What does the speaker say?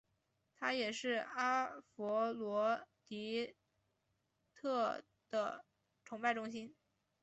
它也是阿佛罗狄忒的崇拜中心。